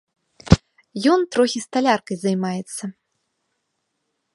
Ён трохі сталяркай займаецца.